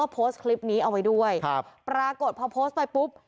โพสต์คลิปนี้เอาไว้ด้วยครับปรากฏพอโพสต์ไปปุ๊บ